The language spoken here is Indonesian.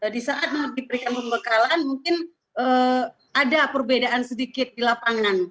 di saat diberikan pembekalan mungkin ada perbedaan sedikit di lapangan